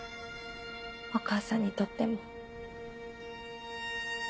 お母さんにとっても。